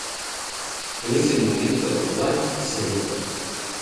En ese momento Walls se negó.